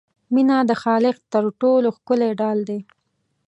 مینه د خالق تر ټولو ښکلی ډال دی.